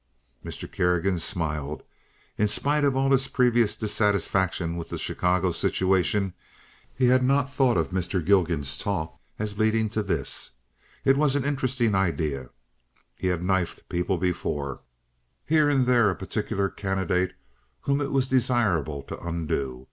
Mr. Kerrigan smiled. In spite of all his previous dissatisfaction with the Chicago situation he had not thought of Mr. Gilgan's talk as leading to this. It was an interesting idea. He had "knifed" people before—here and there a particular candidate whom it was desirable to undo.